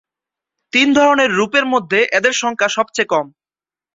তিন ধরনের রূপের মধ্যে এদের সংখ্যা সবচেয়ে কম।